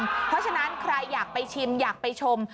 เพราะฉะนั้นใครอยากไปชิมอยากไปชม